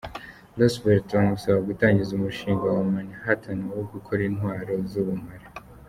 Roosevelt, bamusaba gutangiza umushinga wa Manhattan wo gukora intwaro z’ubumara.